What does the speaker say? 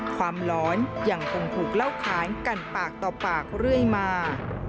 หลอนยังคงถูกเล่าขานกันปากต่อปากเรื่อยมา